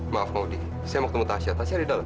maaf maudie saya mau ketemu tasha tasha ada di dalam